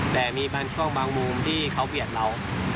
แต่มีบางช่วงบางมุมที่เขาเบียดเรา